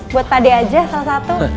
buat pak ade aja salah satu